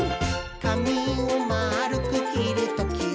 「かみをまるくきるときは、」